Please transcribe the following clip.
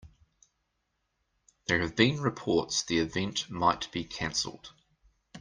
There have been reports the event might be canceled.